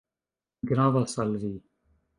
Gravas al vi.